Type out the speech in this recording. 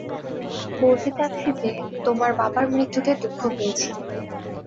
বলতে চাচ্ছি যে, তোমার বাবার মৃত্যুতে দুঃখ পেয়েছি।